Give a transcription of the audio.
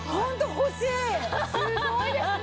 すごいですね！